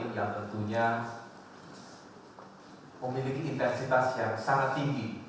yang tentunya memiliki intensitas yang sangat tinggi